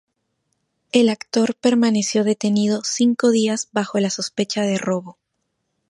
El actor permaneció detenido cinco días bajo la sospecha de robo.